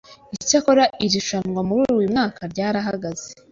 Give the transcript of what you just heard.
icyakora iri rushanwa muri uyu mwaka ryarahagaze